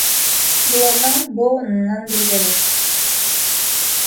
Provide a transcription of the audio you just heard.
Булырҙың быуынынан билгеле.